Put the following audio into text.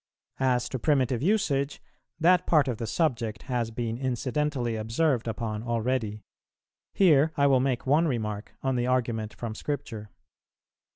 As to primitive usage, that part of the subject has been incidentally observed upon already; here I will make one remark on the argument from Scripture.